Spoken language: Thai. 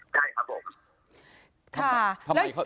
ทำไมเขาต้องทำอะไร